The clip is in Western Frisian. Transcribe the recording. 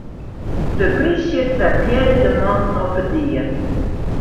De polysje trappearre de mannen op 'e die.